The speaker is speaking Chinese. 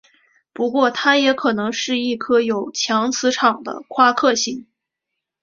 不过它也可能是一颗有强磁场的夸克星。